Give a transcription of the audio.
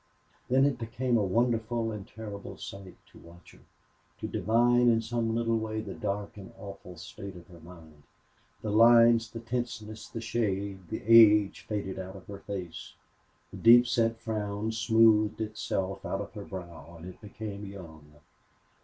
Then it became a wonderful and terrible sight to watch her, to divine in some little way the dark and awful state of her mind. The lines, the tenseness, the shade, the age faded out of her face; the deep set frown smoothed itself out of her brow and it became young.